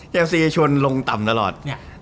เชลสีชวนลงต่ำตลอด